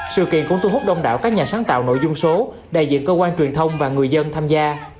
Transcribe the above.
sự kiện cũng thu hút đông đảo các nhà sáng tạo nội dung số đại diện cơ quan truyền thông và người dân tham gia